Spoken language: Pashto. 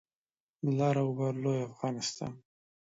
لر او بر لوی افغانستان